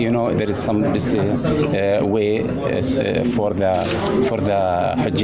jika ada kereta bergerak di jalanan yang jauh